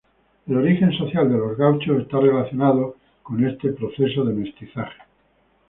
El origen social de los gauchos está relacionado con este proceso de mestizaje.